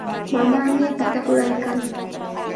Mamaami apita ruraykan.